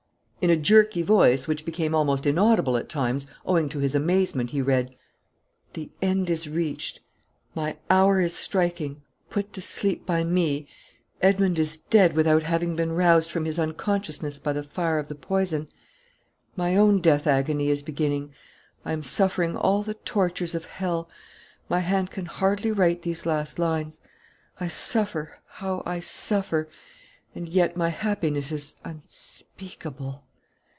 In a jerky voice, which became almost inaudible at times owing to his amazement, he read: "The end is reached. My hour is striking. Put to sleep by me, Edmond is dead without having been roused from his unconsciousness by the fire of the poison. My own death agony is beginning. I am suffering all the tortures of hell. My hand can hardly write these last lines. I suffer, how I suffer! And yet my happiness is unspeakable.